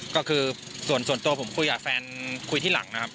ก็คือส่วนตัวผมคุยกับแฟนคุยที่หลังนะครับ